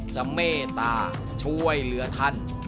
เมตตาช่วยเหลือท่าน